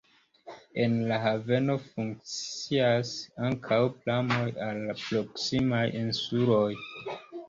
En la haveno funkcias ankaŭ pramoj al la proksimaj insuloj.